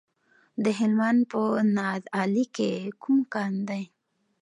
د هلمند په نادعلي کې کوم کان دی؟